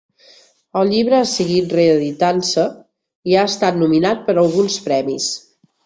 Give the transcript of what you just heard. El llibre ha seguit reeditant-se i ha estat nominat per a alguns premis.